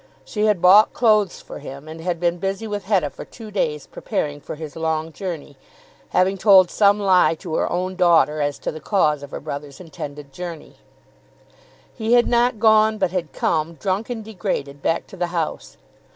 She had bought clothes for him, and had been busy with Hetta for two days preparing for his long journey, having told some lie to her own daughter as to the cause of her brother's intended journey. He had not gone, but had come, drunk and degraded, back to the house.